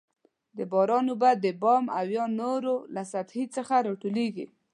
د باران اوبه د بام او یا نورو له سطحې څخه راټولیږي.